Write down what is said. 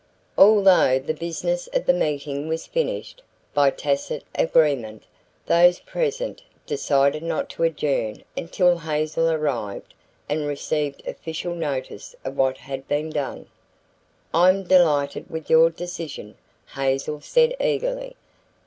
Although the business of the meeting was finished, by tacit agreement those present decided not to adjourn until Hazel arrived and received official notice of what had been done. "I'm delighted with your decision," Hazel said eagerly.